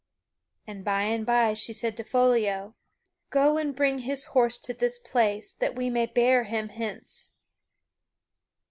And by and by she said to Foliot: "Go and bring his horse to this place, that we may bear him hence."